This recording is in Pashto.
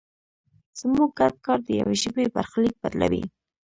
زموږ ګډ کار د یوې ژبې برخلیک بدلوي.